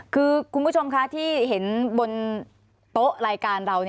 คือคุณผู้ชมคะที่เห็นบนโต๊ะรายการเรา